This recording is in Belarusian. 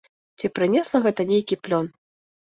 Ці прынесла гэта нейкі плён?